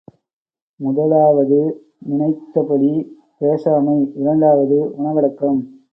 முதலாவது நினைத்தபடி பேசாமை, இரண்டாவது உணவடக்கம்.